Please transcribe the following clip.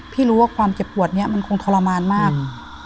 รู้ว่าความเจ็บปวดนี้มันคงทรมานมาก